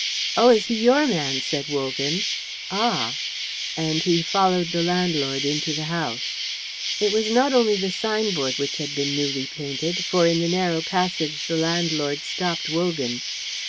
"Oh, is he your man?" said Wogan. "Ah!" And he followed the landlord into the house. It was not only the sign board which had been newly painted, for in the narrow passage the landlord stopped Wogan.